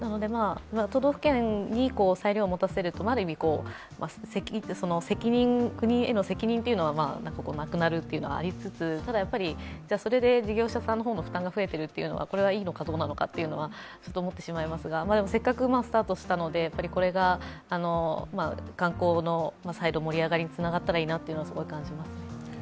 都道府県に裁量を持たせるとある意味、国への責任がなくなるというのはありつつただそれで事業者さんの方の負担が増えてるっていうのはこれはいいのかどうなのかというのは思ってしまいますが、せっかくスタートしたのでこれが観光の再度の盛り上がりにつながったらいいなと感じます。